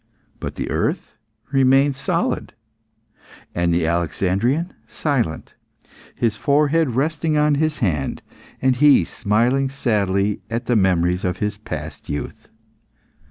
But the earth remained solid, and the Alexandrian silent, his forehead resting on his hand, and he smiling sadly at the memories of his past youth.